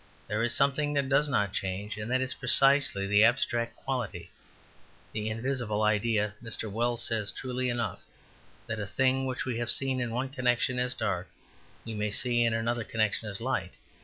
There is something that does not change; and that is precisely the abstract quality, the invisible idea. Mr. Wells says truly enough, that a thing which we have seen in one connection as dark we may see in another connection as light.